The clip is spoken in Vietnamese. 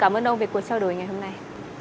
cảm ơn ông về cuộc trao đổi ngày hôm nay